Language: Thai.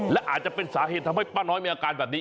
และอาจจะเป็นสาเหตุทำให้ป้าน้อยมีอาการแบบนี้